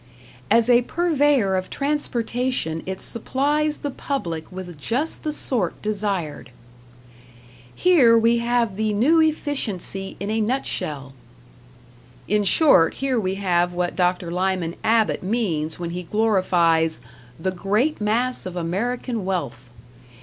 "As a purveyor of transportation it supplies the public with just the sort desired." "Here we have the new efficiency in a nutshell." In short, here we have what Dr. Lyman Abbott means when he glorifies "the great mass of American wealth".